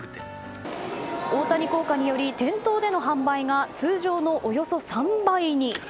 大谷効果により店頭での販売が通常のおよそ３倍に。